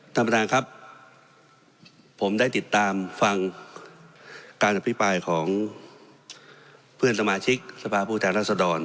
ท่านประธานครับผมได้ติดตามฟังการอภิปรายของเพื่อนสมาชิกสภาพผู้แทนรัศดร